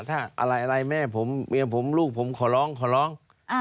ถ้าอะไรแม่ผมเมียผมลูกผมขอร้องขอร้อง